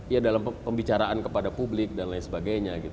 ya dalam pembicaraan kepada publik dan lain sebagainya